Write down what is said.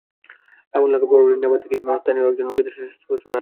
আগুন লাগার পরপরই নেভাতে গিয়ে স্থানীয় একজন বিদ্যুৎস্পৃষ্ট হয়ে মারা যান।